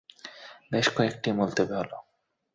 বেশ কয়েকটি মুলতবি হলো।